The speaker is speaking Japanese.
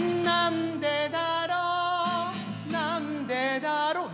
なんでだろう何？